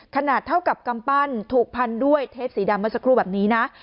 ขนาดเท่ากับกำปั้นถูกพันด้วยเทปสีดำเมื่อสักครู่แบบนี้นะ